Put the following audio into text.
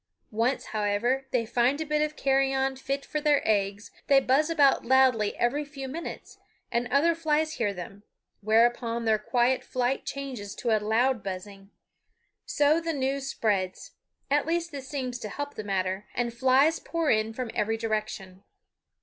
Once, however, they find a bit of carrion fit for their eggs, they buzz about loudly every few minutes, and other flies hear them; whereupon their quiet flight changes to a loud buzzing. So the news spreads at least this seems to help the matter and flies pour in from every direction.